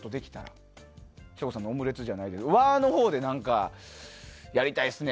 省吾さんのオムレツじゃないけど和のほうで何かやりたいですね。